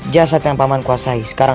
kau sudah menguasai ilmu karang